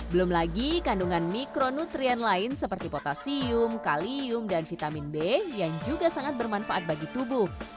belum lagi kandungan mikronutrien lain seperti potasium kalium dan vitamin b yang juga sangat bermanfaat bagi tubuh